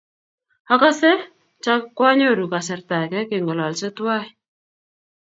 Agase ta kwanyoruu kasarta ake keng'ololse twai.